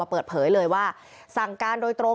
คุณผู้ชมไปฟังเสียงพร้อมกัน